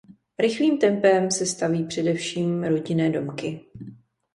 Rychlým tempem se staví především rodinné domky.